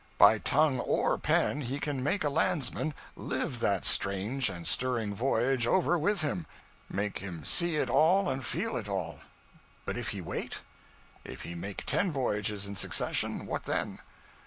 By tongue or pen he can make a landsman live that strange and stirring voyage over with him; make him see it all and feel it all. But if he wait? If he make ten voyages in succession what then?